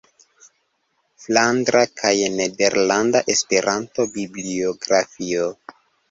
Flandra kaj Nederlanda Esperanto-Bibliografio.